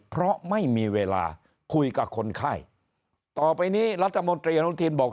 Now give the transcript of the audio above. เพราะไม่มีเวลาคุยกับคนไข้ต่อไปนี้รัฐมนตรีอนุทินบอก